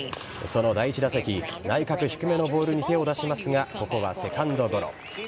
その第１打席、内角低めのボールに手を出しますが、ここはセカンドゴロ。